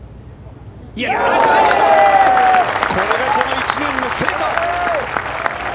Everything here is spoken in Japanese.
これがこの１年の成果！